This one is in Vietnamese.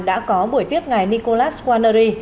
đã có buổi tiết ngày nicolas guarneri